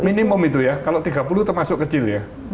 minimum itu ya kalau tiga puluh termasuk kecil ya